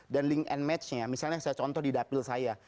dan link and matchnya misalnya saya contoh di dapil saya